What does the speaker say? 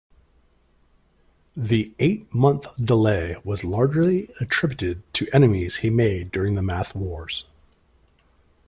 The eight-month delay was largely attributed to enemies he made during the Math Wars.